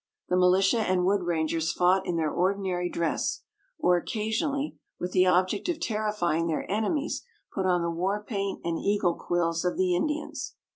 The militia and wood rangers fought in their ordinary dress, or, occasionally, with the object of terrifying their enemies, put on the war paint and eagle quills of the Indians.